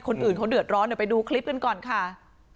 คนอื่นเขาเดือดร้อนเดี๋ยวไปดูคลิปกันก่อนค่ะ